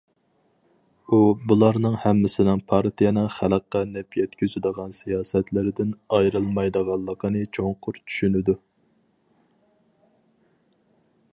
ئۇ بۇلارنىڭ ھەممىسىنىڭ پارتىيەنىڭ خەلققە نەپ يەتكۈزىدىغان سىياسەتلىرىدىن ئايرىلمايدىغانلىقىنى چوڭقۇر چۈشىنىدۇ.